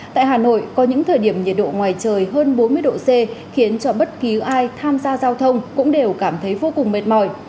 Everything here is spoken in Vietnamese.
tại hà nội có những thời điểm nhiệt độ ngoài trời hơn bốn mươi độ c khiến cho bất cứ ai tham gia giao thông cũng đều cảm thấy vô cùng mệt mỏi